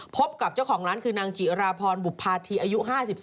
พบกับเจ้าของร้านคือนางจิราพรบุภาธีอายุ๕๓